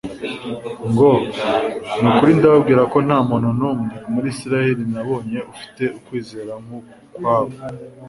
ngo : "Ni ukuri ndababwira ko nta muntu n'umwe mu Isirayeli nabonye ufite ukwizera nk'ukwa bo"